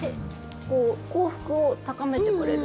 幸福を高めてくれる。